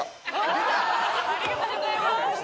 ありがとうございます